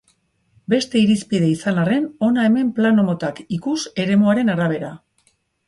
Beste irizpide izan arren, hona hemen plano motak, ikus, eremuaren arabera.